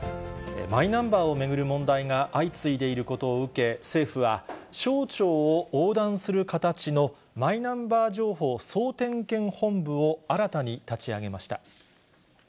マイナンバーを巡る問題が相次いでいることを受け、政府は、省庁を横断する形のマイナンバー情報総点検本部を新たに立ち上げました。